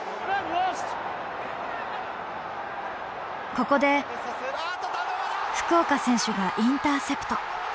ここで福岡選手がインターセプト。